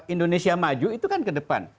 indonesia maju itu kan ke depan